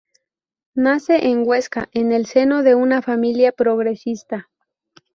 Nace en Huesca en el seno de una familia progresista.